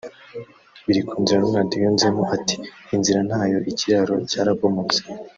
Birikunzira Leonard yunzemo ati “Inzira ntayo ikiraro cyarabomotse